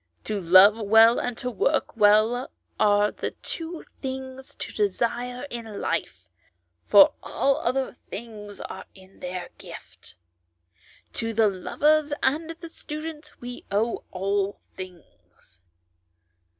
To love well and to work well are the two things to desire in life, for all other things are in their gift. To the lovers and the students we owe all things."